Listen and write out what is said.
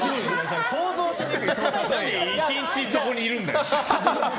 何で１日そこにいるんだよ。